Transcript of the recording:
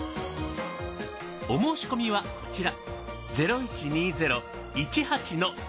お申し込みはこちら。